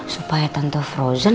supaya tante frozen